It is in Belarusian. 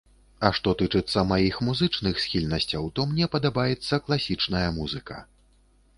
А што тычыцца маіх музычных схільнасцяў, то мне падабаецца класічная музыка.